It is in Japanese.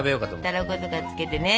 たらことかつけてね。